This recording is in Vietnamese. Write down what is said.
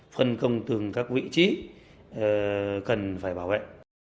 phân công từng các vị trí cần phải bảo vệ